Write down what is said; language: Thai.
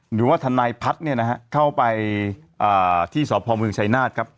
หรือว่าท่านายพัดเข้าไปที่สอบภอมเมืองชายนาฏ